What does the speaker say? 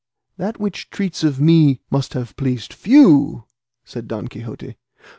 "That which treats of me must have pleased few," said Don Quixote.